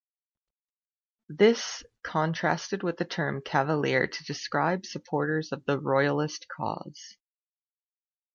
This contrasted with the term "Cavalier" to describe supporters of the Royalist cause.